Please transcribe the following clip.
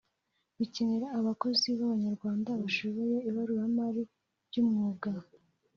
bikenera abakozi b’Abanyarwanda bashoboye ibaruramari ry’umwuga